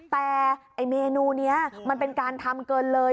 แต่ไอ้เมนูนี้มันเป็นการทำเกินเลย